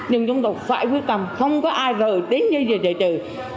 nhưng chúng tôi phải quyết tâm không có ai rời đến như giờ trời trời